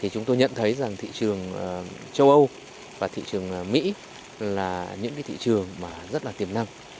chúng tôi nhận thấy thị trường châu âu và thị trường mỹ là những thị trường rất tiềm năng